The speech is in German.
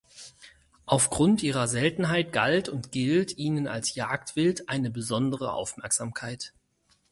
Aufgrund ihrer Seltenheit galt und gilt ihnen als Jagdwild eine besondere Aufmerksamkeit.